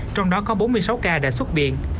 trong đó có bốn mươi sáu ca đã xuất viện